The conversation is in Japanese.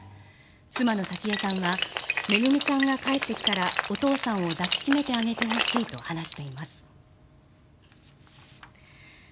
妻の早紀江さんはめぐみちゃんが帰ってきたらお父さんを抱き締めてあげてほしいと話しています。